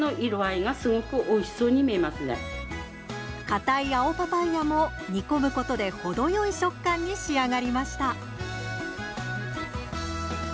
かたい青パパイアも煮込むことで程よい食感に仕上がりました。